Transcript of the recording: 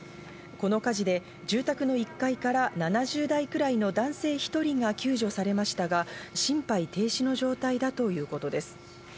この火事で住宅の１階から７０代くらいの男性１人が救助されましたが心肺停止の状態だということです。